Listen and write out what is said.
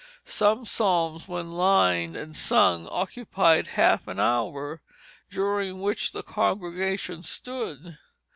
Some psalms when lined and sung occupied half an hour, during which the congregation stood.